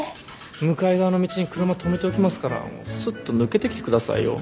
向かい側の道に車止めておきますからすっと抜けてきてくださいよ。